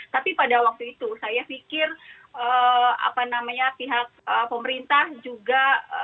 tapi pada waktu itu saya pikir pihak pemerintah juga